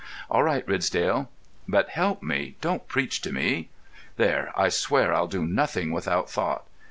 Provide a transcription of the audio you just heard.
"All right, Ridsdale. But help me, don't preach to me. There, I swear I'll do nothing without thought.